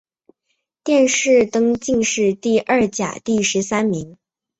殿试登进士第二甲第十三名。